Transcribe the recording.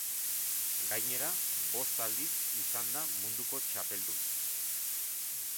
Gainera, bost aldiz izan da munduko txapeldun.